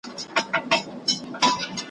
بس را یاده مي غزل سي د ملنګ عبدالرحمن ,